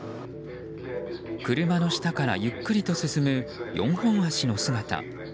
車の下からゆっくりと進む４本足の姿。